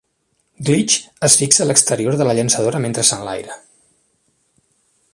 Glitch es fixa a l'exterior de la llançadora mentre s'enlaira.